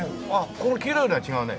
この黄色いのは違うね。